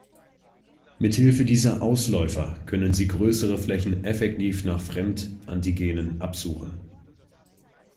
Mithilfe dieser Ausläufer können sie größere Flächen effektiv nach Fremd-Antigenen absuchen.